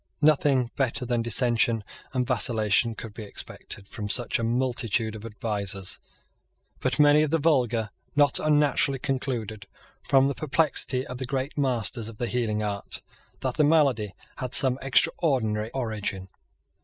Nothing better than dissension and vacillation could be expected from such a multitude of advisers. But many of the vulgar not unnaturally concluded, from the perplexity of the great masters of the healing art, that the malady had some extraordinary origin.